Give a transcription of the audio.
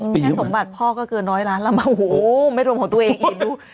แค่สมบัติพ่อก็เกิน๑๐๐ล้านลำโอ้โหไม่รวมของตัวเองเองดู